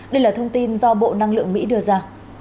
đây là thông tin do bộ năng lượng mỹ đưa ra